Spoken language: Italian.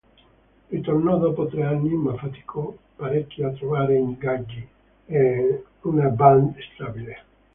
Ritornò dopo tre anni, ma faticò parecchio a trovare ingaggi e una band stabile.